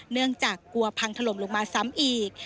เนื่องจากกลัวพังถล่มลงมาซ้ำอีก